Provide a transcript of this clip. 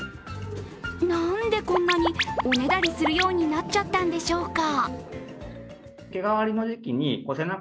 何で、こんなにおねだりするようになっちゃったんでしょうか。